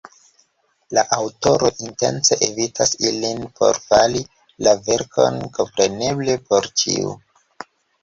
La aŭtoro intence evitas ilin por fari la verkon komprenebla por ĉiu.